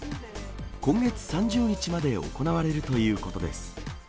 今月３０日まで行われるということです。